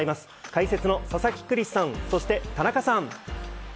解説の佐々木クリスさん、そして田中さん。